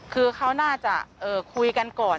คือเขาน่าจะคุยกันก่อน